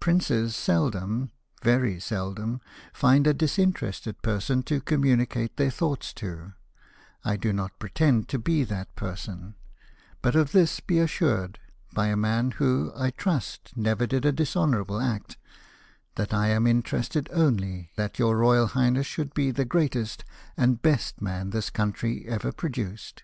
Princes seldom, very seldom, find a disinterested person to communicate their thoughts to : I do not pretend to be that person : but of this be assured, by a man who, I trust, never did a dishonourable act, that I am interested only that your royal highness should be the greatest and best man this country ever produced."